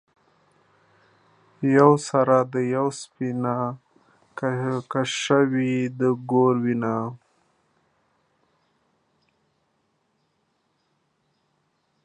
یوه سره ده یوه سپینه ـ کشوي د رګو وینه